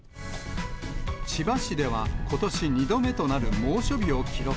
千葉市ではことし２度目となる猛暑日を記録。